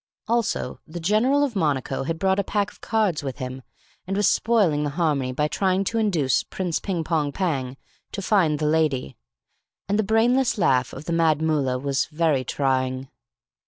Also, the general of Monaco had brought a pack of cards with him, and was spoiling the harmony by trying to induce Prince Ping Pong Pang to find the lady. And the brainless laugh of the Mad Mullah was very trying.